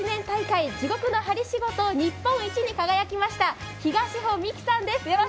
大会地獄の針仕事日本一に輝きました東保美紀さんです